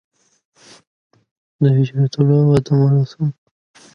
The town is located northeast of Toronto and just north of Oshawa.